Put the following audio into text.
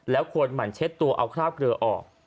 แล้วควรหมั่นเช็ดตัวเอาคราบเกลือออก